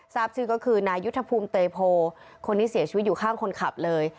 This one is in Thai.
ทราบชื่อก็คือนายุทธภูมิเตยโพคนนี้เสียชีวิตอยู่ข้างคนขับเลย